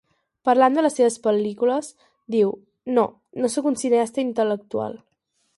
Parlant de les seves pel·lícules, diu: "No, no soc un cineasta intel·lectual".